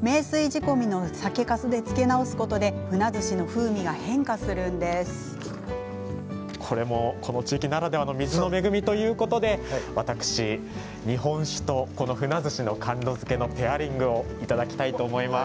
名水仕込みの酒かすで漬け直すことでこれもこの地域ならではの水の恵みということで私、日本酒とこのふなずしの甘露漬けのペアリングをいただきたいと思います。